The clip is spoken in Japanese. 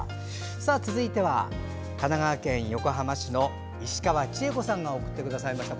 続いては神奈川県横浜市の石川千恵子さんが送ってくださいました。